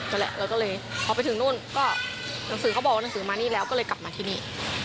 นั่นแหละเราก็เลยพอไปถึงนู่นก็หนังสือเขาบอกว่าหนังสือมานี่แล้วก็เลยกลับมาที่นี่